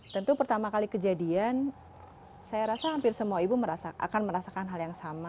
tentu pertama kali kejadian saya rasa hampir semua ibu akan merasakan hal yang sama